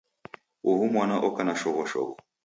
Uhu mwana oka na shoghoshogho.